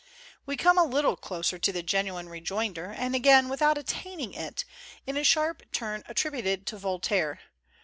We come a little closer to the genuine re joinder, and again without attaining it, in a sharp turn attributed to Voltaire.